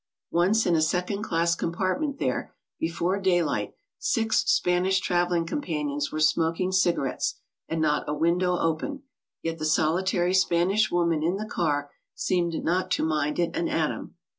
Once in a second class compartment there, before daylight, six Spanish traveling companions were smoking cigarettes, and not a window open; yet the solitary Spanish woman in the car seemed not to mind it an atom.